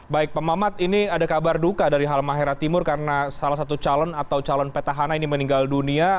baik pak mamat ini ada kabar duka dari halmahera timur karena salah satu calon atau calon petahana ini meninggal dunia